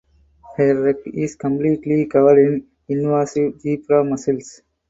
Her wreck is completely covered in invasive zebra mussels.